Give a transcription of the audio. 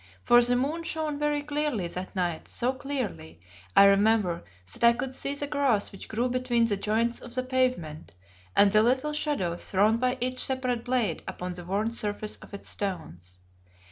For the moon shone very clearly that night, so clearly, I remember, that I could see the grass which grew between the joints of the pavement, and the little shadows thrown by each separate blade upon the worn surface of its stones.